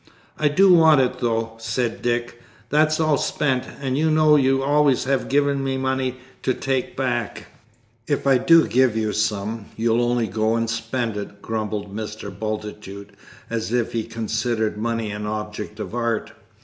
"I do want it, though," said Dick; "that's all spent. And you know you always have given me money to take back." "If I do give you some, you'll only go and spend it," grumbled Mr. Bultitude, as if he considered money an object of art.